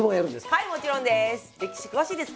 はいもちろんです。